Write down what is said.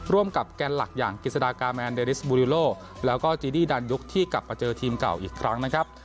กับแกนหลักอย่างกิจสดากาแมนเดริสบูริโลแล้วก็จีดี้ดันยุคที่กลับมาเจอทีมเก่าอีกครั้งนะครับ